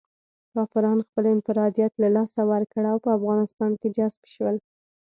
کافرانو خپل انفرادیت له لاسه ورکړ او په افغانستان کې جذب شول.